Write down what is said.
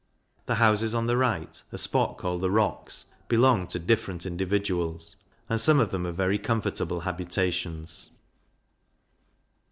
The houses on the right, a spot called the Rocks, belong to different individuals, and some of them are very comfortable habitations.